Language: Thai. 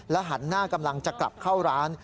หันหน้ากำลังจะกลับเข้าร้าน